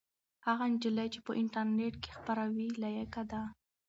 هغه نجلۍ چې په انټرنيټ کې خپروي لایقه ده.